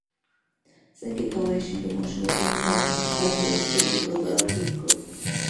څنګه کولی شم د ماشومانو لپاره د کتاب لوستلو پروګرام جوړ کړم